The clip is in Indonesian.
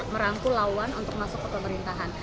merangkul lawan untuk masuk ke pemerintahan